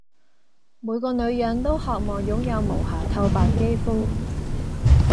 每個女人都渴望擁有無瑕透白肌膚